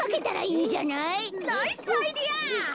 ナイスアイデア！